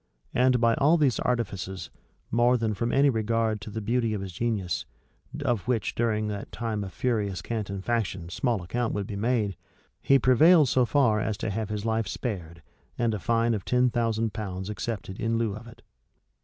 And by all these artifices, more than from any regard to the beauty of his genius, of which, during that time of furious cant and faction, small account would be made, he prevailed so far as to have his life spared, and a fine of ten thousand pounds accepted in lieu of it.